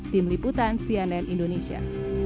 tim liputan cnn indonesia